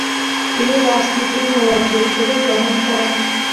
তিনি রাজনৈতিক নৈরাজ্য হিসেবে গ্রহণ করেন।